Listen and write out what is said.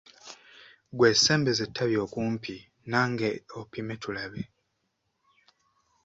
Ggwe sembeza ettabi kumpi nange opime tulabe!